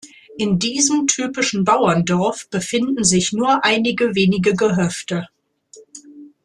In diesem typischen Bauerndorf befinden sich nur einige wenige Gehöfte.